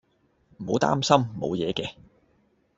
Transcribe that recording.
唔好擔心，無嘢嘅